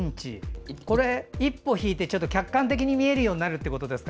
一歩引いて客観的に見えるようになるということですか。